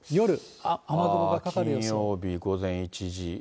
ああ、金曜日午前１時。